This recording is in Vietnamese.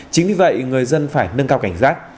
chính vì vậy người dân phải nâng cao cảnh giác